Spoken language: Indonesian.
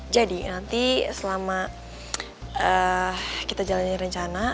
nanti selama kita jalani rencana